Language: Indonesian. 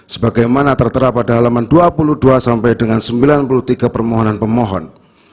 sebagaimana tertera pada halaman dua puluh dua sampai dengan sembilan puluh tiga permohonan pemohon